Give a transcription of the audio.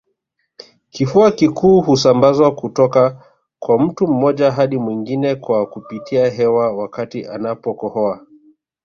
Kifua kikuu husambazwa kutoka kwa mtu mmoja hadi mwingine kwa kupitia hewa wakati anapokohoa